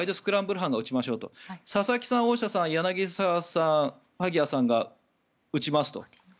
班が打ちましょう佐々木さん、大下さん、柳澤さん萩谷さんが打ちますと。